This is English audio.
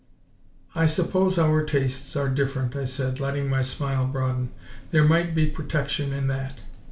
"I suppose our tastes are different," I said, letting my smile broaden. "There might be protection in that."